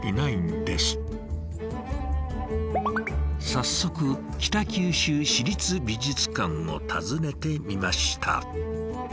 早速北九州市立美術館を訪ねてみました。